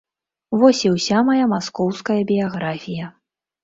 Вось і ўся мая маскоўская біяграфія.